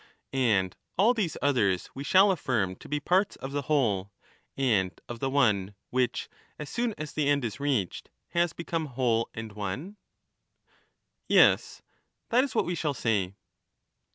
And all these others we shall affirm to be parts of the whole and of the one, which, as soon as the end is reached, has become whole and one ? Yes ; that is what we shall say.